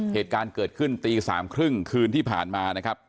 เหตุการณ์เกิดขึ้นตี๓๓๐คืนที่ผ่านมานะครับ